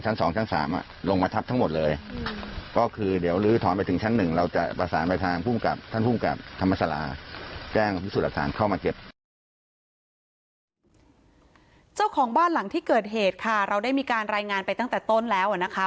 เจ้าของบ้านหลังที่เกิดเหตุค่ะเราได้มีการรายงานไปตั้งแต่ต้นแล้วนะคะ